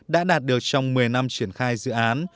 đã đạt được trong một mươi năm triển khai dự án